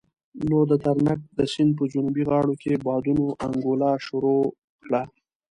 نو د ترنک د سيند په جنوبي غاړو کې بادونو انګولا شروع کړه.